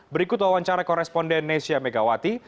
berikut wawancara koresponden nesya megawati